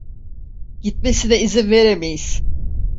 Gitmesine izin veremeyiz.